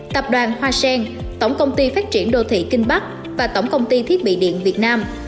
tập đoàn hoa sen tổng công ty phát triển đô thị kinh bắc và tổng công ty thiết bị điện việt nam